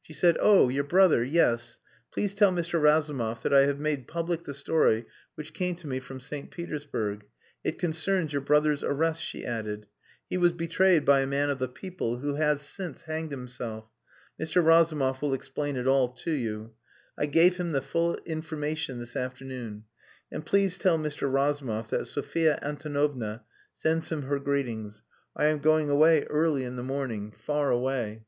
She said, 'Oh! Your brother yes. Please tell Mr. Razumov that I have made public the story which came to me from St. Petersburg. It concerns your brother's arrest,' she added. 'He was betrayed by a man of the people who has since hanged himself. Mr. Razumov will explain it all to you. I gave him the full information this afternoon. And please tell Mr. Razumov that Sophia Antonovna sends him her greetings. I am going away early in the morning far away.